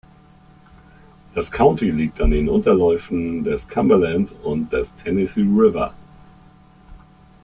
Das County liegt an den Unterläufen des Cumberland und des Tennessee River.